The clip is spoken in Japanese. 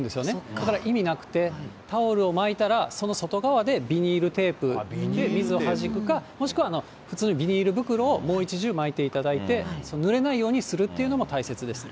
だから意味なくて、タオルを巻いたら、その外側でビニールテープで水をはじくか、もしくは普通にビニール袋をもう一重巻いていただいて、ぬれないようにするというのも大切ですね。